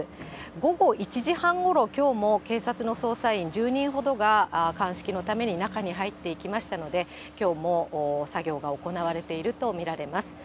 午後１時半ごろ、きょうも警察の捜査員１０人ほどが、鑑識のために中に入っていきましたので、きょうも作業が行われていると見られます。